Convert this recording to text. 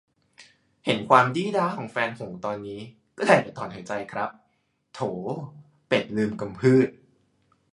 เห็นความดี๊ด๊าของแฟนหงส์ตอนนี้ ก็ได้แต่ถอนหายใจครับ "โถ เป็ดลืมกำพืด"